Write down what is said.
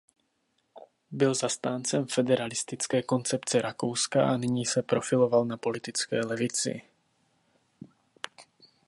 Byl zastáncem federalistické koncepce Rakouska a nyní se profiloval na politické levici.